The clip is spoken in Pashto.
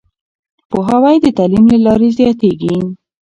پوهاوی د تعليم له لارې زياتېږي.